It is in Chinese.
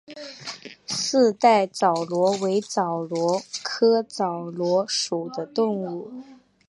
四带枣螺为枣螺科枣螺属的动物。